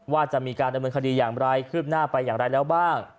ว่าจะมีการดำเนินคดีอย่างไรคืบหน้าไปอย่างไรแล้วบ้าง